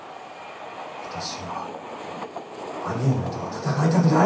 私は兄上とは戦いたくない。